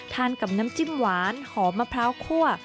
กับน้ำจิ้มหวานหอมมะพร้าวคั่ว